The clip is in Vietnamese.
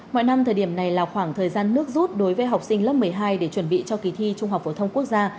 mọi năm thời điểm này là khoảng thời gian nước rút đối với học sinh lớp một mươi hai để chuẩn bị cho kỳ thi trung học phổ thông quốc gia